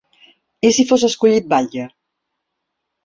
I si fos escollit batlle?